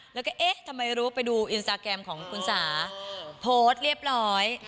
แล้วก็เอ๊ะทำไมรู้ไปดูอินสตาแกรมของคุณสาโพสต์เรียบร้อย